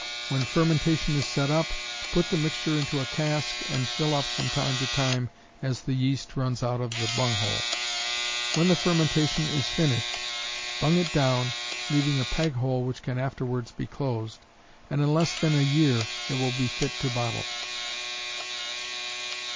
When fermentation is set up, put the mixture into a cask, and fill up from time to time as the yeast runs out of the bunghole; when the fermentation is finished, bung it down, leaving a peg hole which can afterwards be closed, and in less than a year it will be fit to bottle.